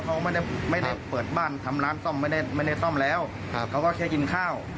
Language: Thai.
เขาไม่ได้ไม่ได้เปิดบ้านทำร้านซ่อมไม่ได้ไม่ได้ซ่อมแล้วเขาก็แค่กินข้าว